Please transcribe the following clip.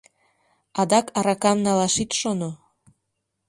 — Адак аракам налаш ит шоно.